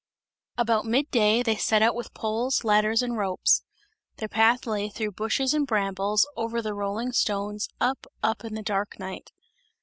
About mid day, they set out with poles, ladders and ropes; their path lay through bushes and brambles, over the rolling stones, up, up in the dark night.